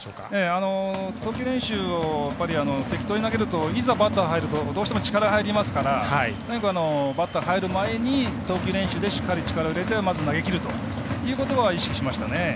投球練習を適当に投げるといざバッター入るとどうしても力入りますからバッター入る前に投球練習で、しっかり力を入れてまず投げきるということは意識しましたね。